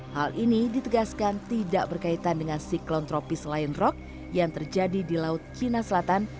hal ini ditegaskan tidak berkaitan dengan siklon tropis lion rock yang terjadi di laut cina selatan